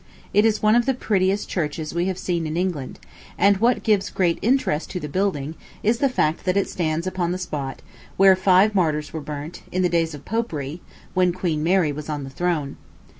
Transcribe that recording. It is one of the prettiest churches we have seen in England; and what gives great interest to the building is the fact that it stands upon the spot where five martyrs were burnt, in the days of Popery, when Queen Mary was on the throne.